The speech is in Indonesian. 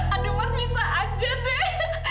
aduh mas bisa aja deh